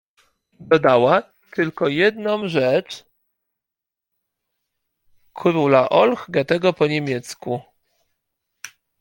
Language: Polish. Dodała: — Tylko jedną rzecz: „Króla Olch” Goethego po nie miecku.